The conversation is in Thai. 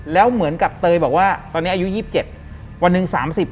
แล้วเหมือนกับเตยบอกว่าตอนนี้อายุ๒๗วันหนึ่ง๓๐